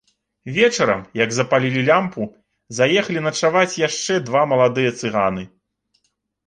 Вечарам, як запалілі лямпу, заехалі начаваць яшчэ два маладыя цыганы.